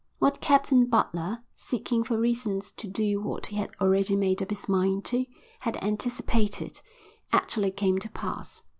What Captain Butler, seeking for reasons to do what he had already made up his mind to, had anticipated, actually came to pass.